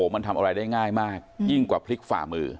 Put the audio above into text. มันทำอะไรได้ง่ายมากยิ่งกว่าพลิกฝ่ามือ